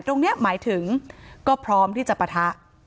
ตรงนี้หมายถึงก็พร้อมที่จะประทะ